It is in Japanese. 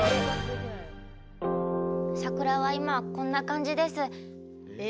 桜は今こんな感じです。